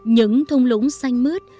những thung lũng xanh mướt